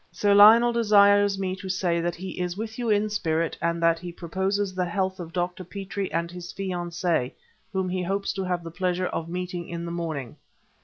"Sir Lionel desires me to say that he is with you in spirit and that he proposes the health of Dr. Petrie and his fiancée', whom he hopes to have the pleasure of meeting in the morning."